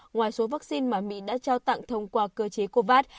ngoài số vaccine mà mỹ đã trao tặng thông qua cơ chế covax